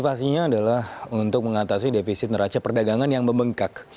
pastinya adalah untuk mengatasi defisit neraca perdagangan yang membengkak